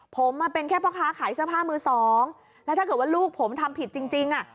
ผมมาเป็นแค่พ่อค้าขายเสื้อผ้ามือสองแล้วถ้าเกิดว่าลูกผมทำผิดจริงจริงอ่ะ